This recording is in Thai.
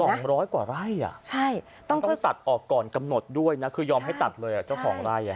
สองร้อยกว่าร่ายอ่ะต้องตัดออกก่อนกำหนดด้วยนะคือยอมให้ตัดเลยอ่ะเจ้าของร่ายอันนี้